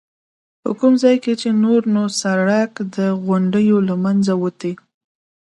په کوم ځای کې چې نور نو سړک د غونډیو له منځه وتی.